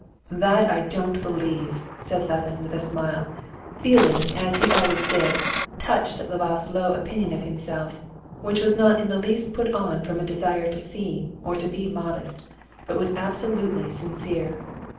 "That I don't believe," said Levin with a smile, feeling, as he always did, touched at Lvov's low opinion of himself, which was not in the least put on from a desire to seem or to be modest, but was absolutely sincere.